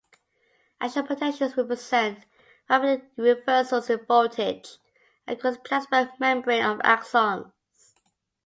Action potentials represent rapid reversals in voltage across the plasma membrane of axons.